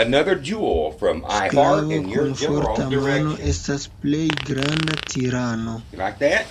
Sklavo kun forta mano estas plej granda tirano.